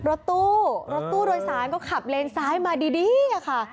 รถตู้รถตู้โดยสารก็ขับเลนซ้ายมาดีอะค่ะ